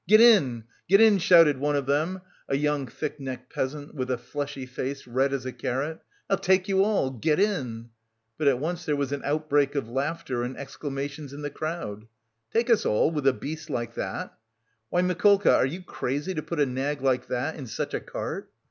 "Get in, get in!" shouted one of them, a young thick necked peasant with a fleshy face red as a carrot. "I'll take you all, get in!" But at once there was an outbreak of laughter and exclamations in the crowd. "Take us all with a beast like that!" "Why, Mikolka, are you crazy to put a nag like that in such a cart?"